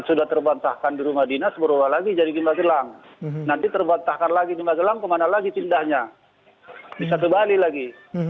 sudah terbantah kan di romhanlist berubah lagi jadilah ke magelang nanti terbantah lagi disana lagi pindahnya kembali lagi